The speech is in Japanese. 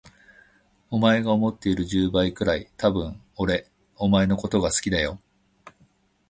お前が思っている十倍くらい、多分俺お前のこと好きだよ。